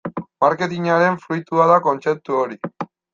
Marketingaren fruitua da kontzeptu hori.